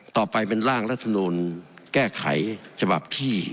ต่อไปเป็นร่างรัฐมนูลแก้ไขฉบับที่